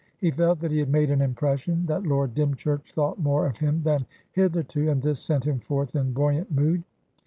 He felt that he had made an impression, that Lord Dymchurch thought more of him than hitherto, and this sent him forth in buoyant mood.